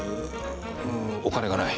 お金がない。